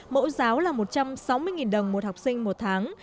mẫu giáo là một trăm sáu mươi đồng một học sinh một tháng